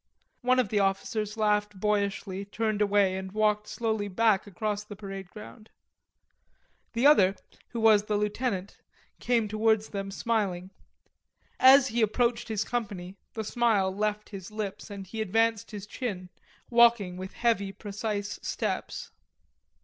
One of the officers laughed boyishly, turned away and walked slowly back across the parade ground. The other, who was the lieutenant, came towards them smiling. As he approached his company, the smile left his lips and he advanced his chin, walking with heavy precise steps.